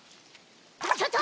ちょっと！